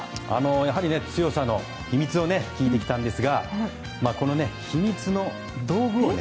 やはり強さの秘密を聞いてきたんですがこの秘密の道具をね